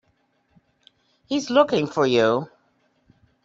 He's looking for you.